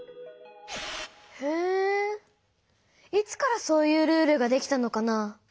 へえいつからそういうルールができたのかな？